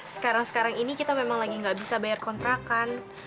sekarang sekarang ini kita memang lagi nggak bisa bayar kontrakan